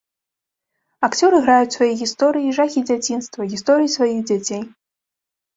Акцёры граюць свае гісторыі і жахі дзяцінства, гісторыі сваіх дзяцей.